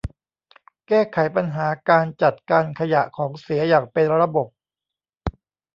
แก้ไขปัญหาการจัดการขยะของเสียอย่างเป็นระบบ